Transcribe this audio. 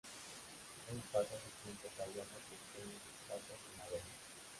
Él pasa su tiempo tallando pequeñas estatuas de madera.